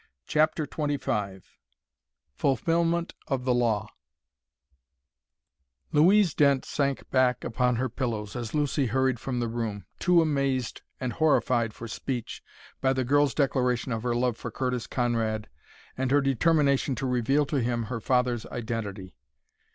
CHAPTER XXV FULFILMENT OF THE LAW Louise Dent sank back upon her pillows as Lucy hurried from the room, too amazed and horrified for speech by the girl's declaration of her love for Curtis Conrad and her determination to reveal to him her father's identity.